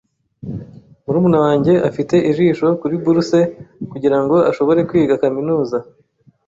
Murumuna wanjye afite ijisho kuri bourse kugirango ashobore kwiga kaminuza.